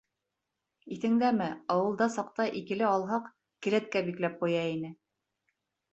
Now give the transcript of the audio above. Иҫеңдәме, ауылда саҡта «икеле» алһаҡ, келәткә бикләп ҡуя ине.